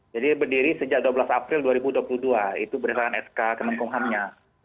jadi berdiri sejak dua belas april dua ribu dua puluh dua itu berita sk kemenkumhamnya